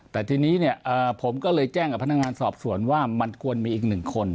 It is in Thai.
แต่ทีนี้เนี่ยผมก็เลยแจ้งกับพนักงานสอบสวนว่ามันควรมีอีกหนึ่งคน